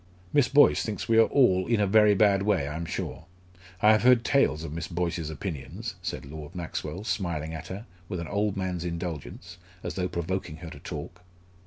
"Miss Boyce thinks we are all in a very bad way, I'm sure. I have heard tales of Miss Boyce's opinions!" said Lord Maxwell, smiling at her, with an old man's indulgence, as though provoking her to talk.